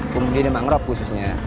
pembudidaya mangrove khususnya